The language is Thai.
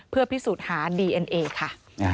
เพื่อพิสูจน์หาดีเอ็นเอค่ะ